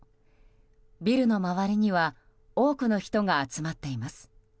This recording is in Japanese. ビルの周りには多くの人が集まっています。